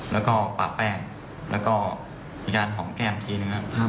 แล้วก็ปากแป้งแล้วก็มีการหอมแก้มอีกทีหนึ่งครับ